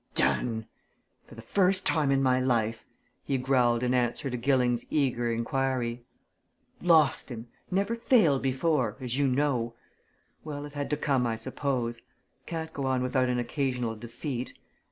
"Done! for the first time in my life!" he growled in answer to Gilling's eager inquiry. "Lost him! Never failed before as you know. Well, it had to come, I suppose can't go on without an occasional defeat.